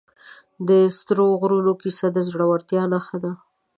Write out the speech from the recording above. د سرو غرونو کیسه د زړورتیا نښه ده.